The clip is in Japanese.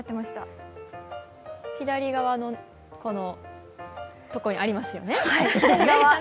左側のとこにありますよね。